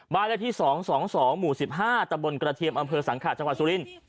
บ้านเลขที่๒๒หมู่๑๕ตะบนกระเทียมอำเภอสังขะจังหวัดสุรินทร์